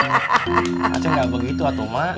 acing gak begitu atau mak